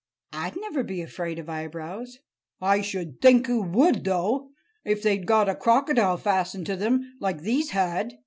"I'd never be afraid of eyebrows." "I should think oo would, though, if they'd got a crocodile fastened to them, like these had!"